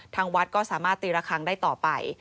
ทางวัดก็สามารถตีระคังได้ต่อไป